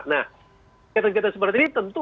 nah ketergiatan seperti ini tentu